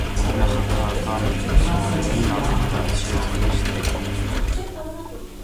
Նախագահական ընտրություններում նա ներկայացրեց իր թեկնածությունը։